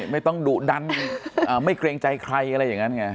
ไม่ต้องดุดันไม่เกรงใจใครอะไรอย่างนั้นไง